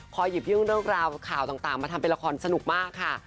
หยิบยื่นเรื่องราวข่าวต่างมาทำเป็นละครสนุกมากค่ะ